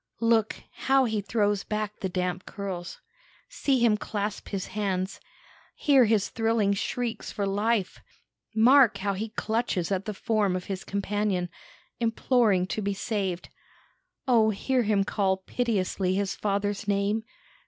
Look, how he throws back the damp curls! See him clasp his hands! Hear his thrilling shrieks for life! Mark how he clutches at the form of his companion, imploring to be saved! O, hear him call piteously his father's name!